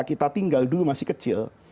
kita tinggal dulu masih kecil